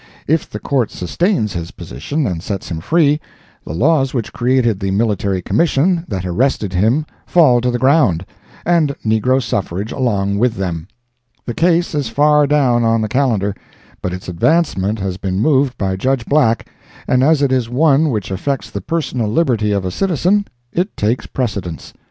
If the Court sustains his position and sets him free, the laws which created the Military Commission that arrested him fall to the ground, and negro suffrage along with them. The case is far down on the calendar, but its advancement has been moved by Judge Black and as it is one which affects the personal liberty of a citizen, it takes precedence.